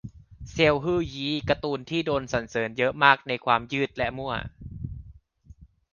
เซียวฮื่อยี้ -การ์ตูนที่โดนสรรเสริญเยอะมากในความยืดและมั่ว